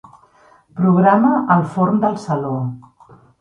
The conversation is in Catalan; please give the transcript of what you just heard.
Programa el forn del saló.